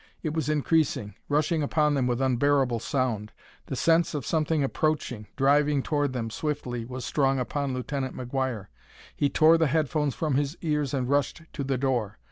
It was increasing; rushing upon them with unbearable sound. The sense of something approaching, driving toward them swiftly, was strong upon Lieutenant McGuire. He tore the head phones from his ears and rushed to the door.